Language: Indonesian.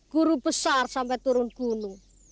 guru besar sampai turun gunung